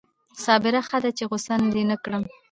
صابره ښه ده چې غصه دې نه کړم